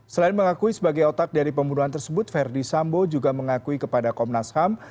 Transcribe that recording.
selain mengakui sebagai otak dari pembunuhan tersebut verdi sambo juga mengakui kepada komnas ham